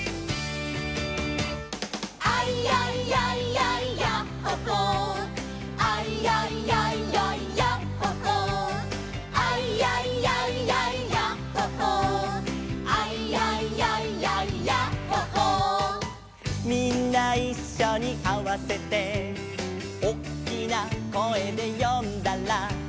「アイヤイヤイヤイヤッホ・ホー」「アイヤイヤイヤイヤッホ・ホー」「アイヤイヤイヤイヤッホ・ホー」「アイヤイヤイヤイヤッホ・ホー」「みんないっしょにあわせて」「おっきな声で呼んだら」